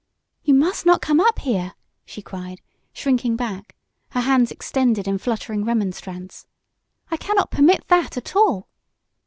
"You must not come up here!" she cried, shrinking back, her hands extended in fluttering remonstrance. "I cannot permit that, at all!"